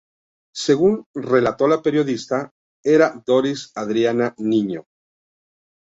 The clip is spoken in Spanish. Según relató la periodista, "Era Doris Adriana Niño.